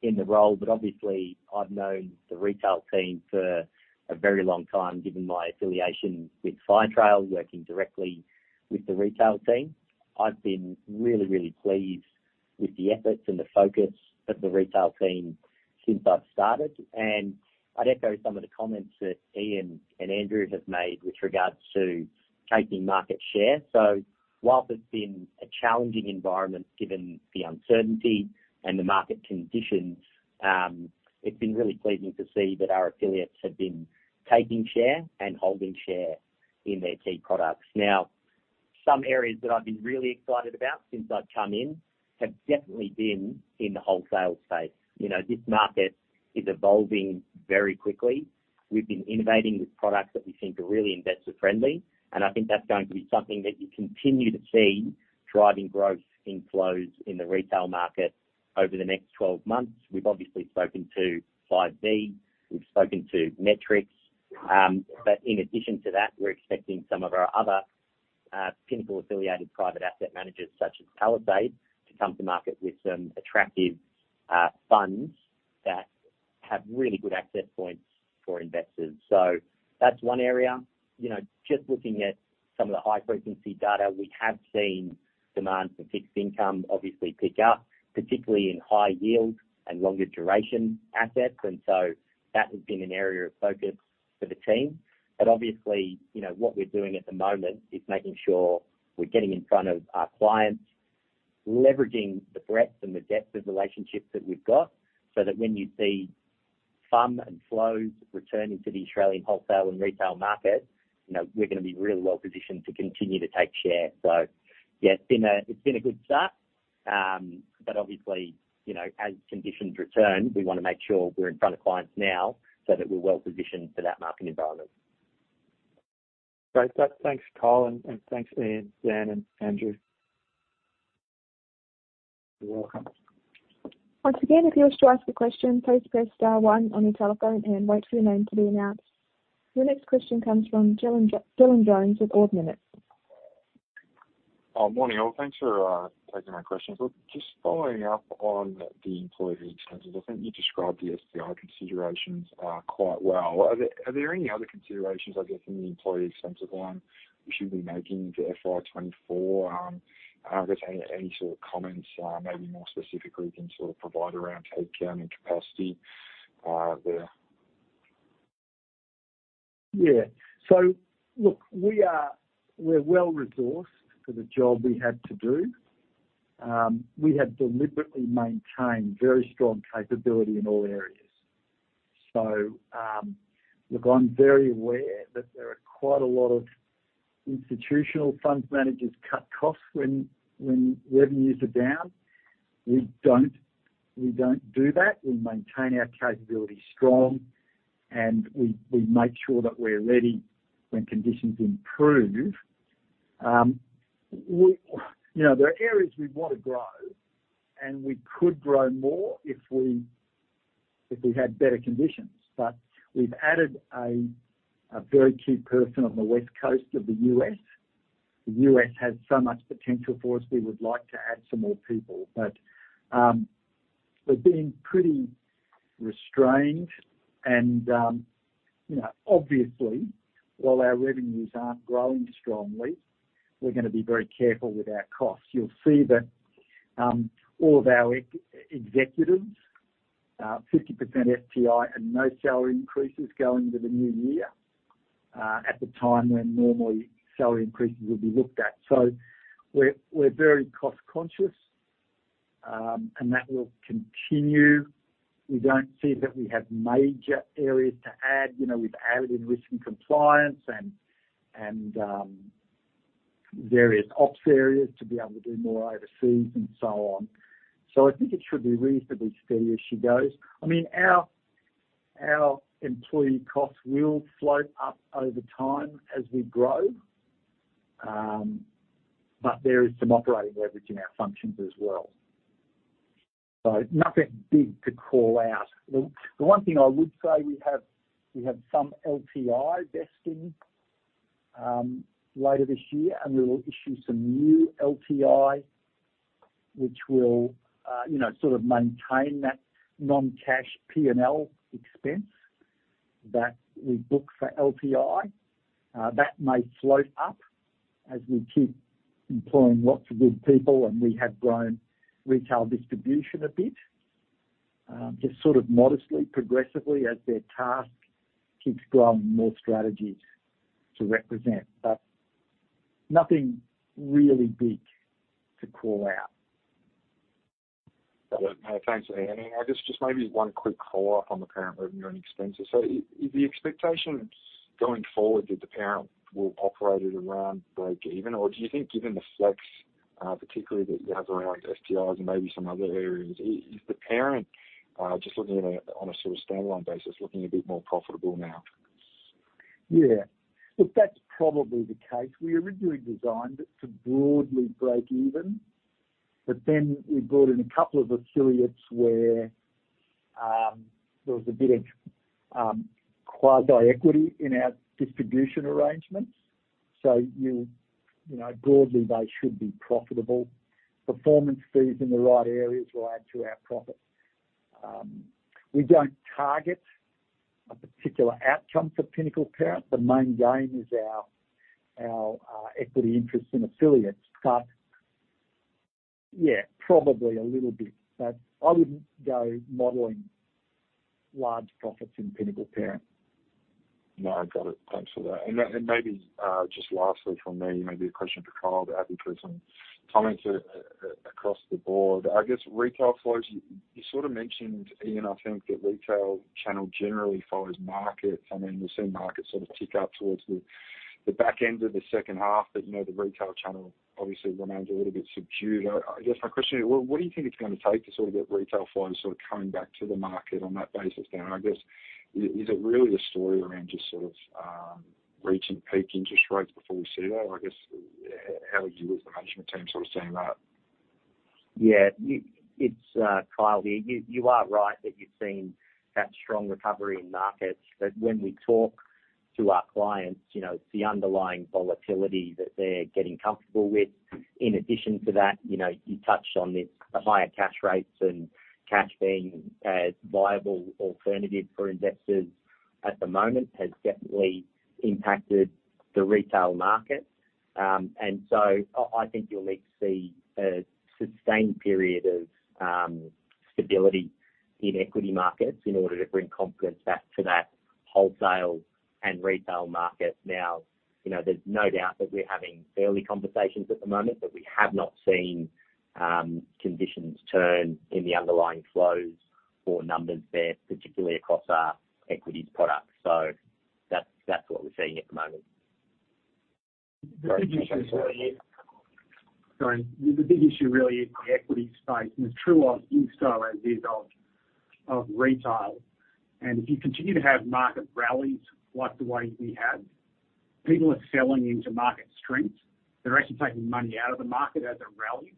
in the role, but obviously, I've known the retail team for a very long time, given my affiliation with Firetrail, working directly with the retail team. I've been really, really pleased with the efforts and the focus of the retail team since I've started. I'd echo some of the comments that Ian and Andrew have made with regards to taking market share. While there's been a challenging environment, given the uncertainty and the market conditions, it's been really pleasing to see that our affiliates have been taking share and holding share in their key products. Some areas that I've been really excited about since I've come in have definitely been in the wholesale space. You know, this market is evolving very quickly. We've been innovating with products that we think are really investor-friendly. I think that's going to be something that you continue to see driving growth in flows in the retail market over the next 12 months. We've obviously spoken to Five V, we've spoken to Metrics. In addition to that, we're expecting some of our other Pinnacle-affiliated private asset managers, such as Palisade, to come to market with some attractive funds that have really good access points for investors. That's one area. You know, just looking at some of the high-frequency data, we have seen demand for fixed income obviously pick up, particularly in high yield and longer duration assets. That has been an area of focus for the team. Obviously, you know, what we're doing at the moment is making sure we're getting in front of our clients, leveraging the breadth and the depth of relationships that we've got, so that when you see FUM and flows returning to the Australian wholesale and retail market, you know, we're going to be really well positioned to continue to take share. Yeah, it's been a good start. Obviously, you know, as conditions return, we want to make sure we're in front of clients now so that we're well positioned for that market environment. Great. Thanks, Kyle, and thanks, Ian, Dan, and Andrew. You're welcome. Once again, if you wish to ask a question, please press star one on your telephone and wait for your name to be announced. Your next question comes from Dylan Jones with Ord Minnett. Morning, all. Thanks for taking my questions. Look, just following up on the employee expenses, I think you described the STI considerations quite well. Are there, are there any other considerations, I guess, in the employee expense line we should be making to FY 2024? I guess any, any sort of comments, maybe more specifically, you can sort of provide around headcount and capacity there? Yeah. Look, we're well resourced for the job we had to do. We have deliberately maintained very strong capability in all areas. Look, I'm very aware that there are quite a lot of institutional funds managers cut costs when, when revenues are down. We don't, we don't do that. We maintain our capability strong, and we, we make sure that we're ready when conditions improve. We, you know, there are areas we want to grow, and we could grow more if we, if we had better conditions. We've added a very key person on the West Coast of the U.S. The U.S. has so much potential for us. We would like to add some more people, but we're being pretty restrained and, you know, obviously, while our revenues aren't growing strongly, we're going to be very careful with our costs. You'll see that all of our ex-executives, 50% STI and no salary increases going to the new year, at the time when normally salary increases will be looked at. We're, we're very cost conscious, and that will continue. We don't see that we have major areas to add. You know, we've added in risk and compliance and, and various ops areas to be able to do more overseas and so on. I think it should be reasonably steady as she goes. I mean, our, our employee costs will float up over time as we grow, but there is some operating leverage in our functions as well. Nothing big to call out. The one thing I would say, we have, we have some LTI vesting later this year, we will issue some new LTI-... which will, you know, sort of maintain that non-cash P&L expense that we book for LTI. That may float up as we keep employing lots of good people, we have grown retail distribution a bit, just sort of modestly, progressively, as their task keeps growing more strategies to represent, nothing really big to call out. Got it. Thanks, Ian. Just, just maybe one quick follow-up on the parent revenue and expenses. i-is the expectation going forward that the parent will operate at around breakeven, or do you think, given the flex, particularly that you have around STIs and maybe some other areas, i-is the parent, just looking at a, on a sort of standalone basis, looking a bit more profitable now? Yeah, look, that's probably the case. We originally designed it to broadly break even, then we brought in a couple of affiliates where there was a bit of quasi-equity in our distribution arrangements. You, you know, broadly, they should be profitable. Performance fees in the right areas will add to our profit. We don't target a particular outcome for Pinnacle Parent. The main game is our equity interest in affiliates. Yeah, probably a little bit, I wouldn't go modeling large profits in Pinnacle Parent. No, got it. Thanks for that. Maybe, just lastly from me, maybe a question for Kyle, to have you put some comments across the board. I guess, retail flows, you, you sort of mentioned, Ian, I think that retail channel generally follows markets, we've seen markets sort of tick up towards the, the back end of the second half. You know, the retail channel obviously remains a little bit subdued. I guess my question is, what, what do you think it's going to take to sort of get retail flows sort of coming back to the market on that basis now? I guess, is it really a story around just sort of reaching peak interest rates before we see that? I guess, how would you, as the management team, sort of seeing that? Yeah, you... It's Kyle here. You, you are right that you've seen that strong recovery in markets. When we talk to our clients, you know, it's the underlying volatility that they're getting comfortable with. In addition to that, you know, you touched on this, the higher cash rates and cash being a viable alternative for investors at the moment has definitely impacted the retail market. I, I think you'll need to see a sustained period of stability in equity markets in order to bring confidence back to that wholesale and retail market. Now, you know, there's no doubt that we're having daily conversations at the moment, but we have not seen conditions turn in the underlying flows or numbers there, particularly across our equities products. That's, that's what we're seeing at the moment. The big issue really is, sorry, the big issue really is the equity space, and it's true of insto as is of retail. If you continue to have market rallies, like the way we had, people are selling into market strengths. They're actually taking money out of the market as it rallies.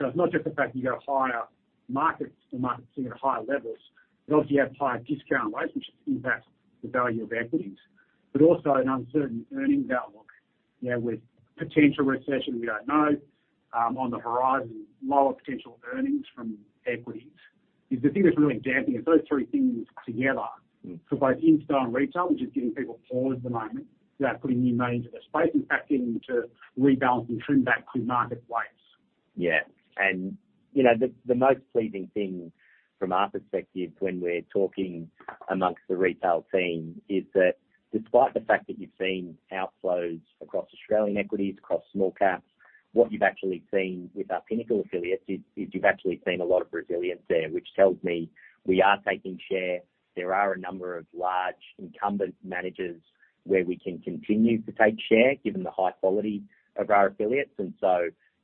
It's not just the fact you've got higher markets, the markets are at higher levels, but also you have higher discount rates, which impacts the value of equities, but also an uncertain earnings outlook. You know, with potential recession, we don't know, on the horizon, lower potential earnings from equities, is the thing that's really damping. It's those three things together for both insto and retail, which is giving people pause at the moment without putting new money into the space, impacting to rebalance and trim back to marketplace. Yeah, you know, the most pleasing thing from our perspective when we're talking amongst the retail team is that despite the fact that you've seen outflows across Australian equities, across small caps, what you've actually seen with our Pinnacle affiliates is you've actually seen a lot of resilience there, which tells me we are taking share. There are a number of large incumbent managers where we can continue to take share, given the high quality of our affiliates.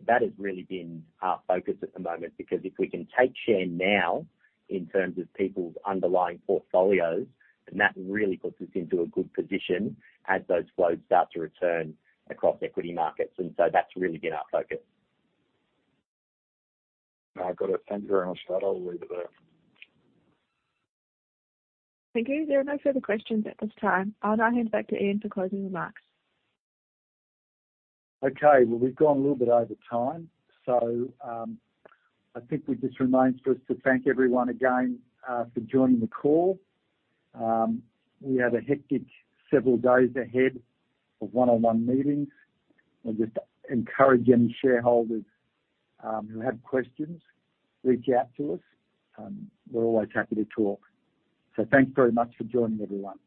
That has really been our focus at the moment, because if we can take share now in terms of people's underlying portfolios, then that really puts us into a good position as those flows start to return across equity markets. That's really been our focus. I've got it. Thank you very much for that. I'll leave it there. Thank you. There are no further questions at this time. I'll now hand it back to Ian for closing remarks. Okay, well, we've gone a little bit over time, so, I think we just remains for us to thank everyone again, for joining the call. We have a hectic several days ahead of one-on-one meetings. I just encourage any shareholders, who have questions, reach out to us. We're always happy to talk. Thanks very much for joining, everyone.